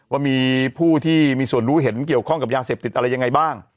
ว่ามีผู้ที่มีส่วนรู้เห็นเกี่ยวข้องกับยาเสพติดอะไรยังไงบ้าง